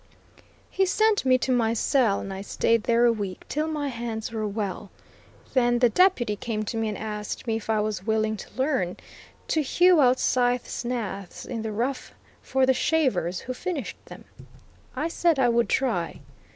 He sent me to my cell and I stayed there a week, till my hands were well. Then the Deputy came to me and asked me if I was willing to learn to hew out scythe snaths in the rough for the shavers, who finished them? I said I would try.